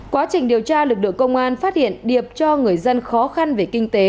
quá trình điều tra lực lượng công an phát hiện điệp cho người dân khó khăn về kinh tế